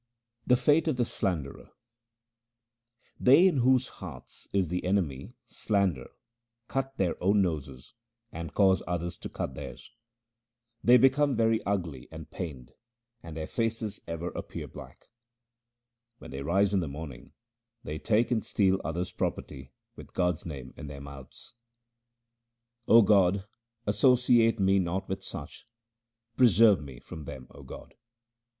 The fate of the slanderer :— They in whose hearts is the enemy slander cut their own noses and cause others to cut theirs. They become very ugly and pained, and their faces ever appear black. When they rise in the morning, they take and steal others' property with God's name in their mouths. HYMNS OF GURU RAM DAS 343 O God, associate me not with such ; preserve me from them, O God.